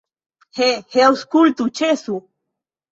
He, he, aŭskultu, ĉesu!